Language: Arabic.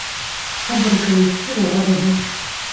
صبرك يثير غضبي